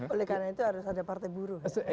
oleh karena itu harus ada partai buruh